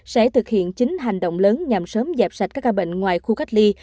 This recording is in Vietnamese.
sẽ thực hiện chính hành động lớn nhằm sớm dẹp sạch các ca bệnh ngoài khu cách ly